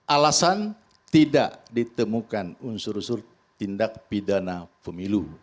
alasan tidak ditemukan unsur unsur tindak pidana pemilu